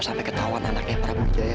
tapi sekali lagi